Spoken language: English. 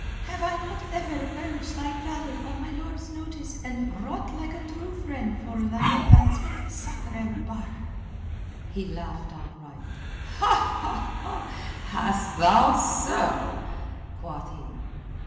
Have I not ever urged thy valour on my lord's notice and wrought like a true friend for thine advancement, Sakr el Bahr?" He laughed outright. "Hast thou so?" quoth he.